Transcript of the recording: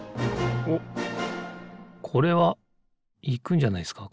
おっこれはいくんじゃないですか